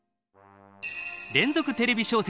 連続テレビ小説